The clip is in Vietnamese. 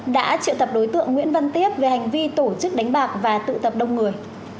đã triệu tập đối tượng nguyễn văn tiếp về hành vi tổ chức đánh bạc và tụ tập đông người